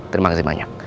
terima kasih banyak